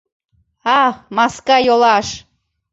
Ах, маска йолаш...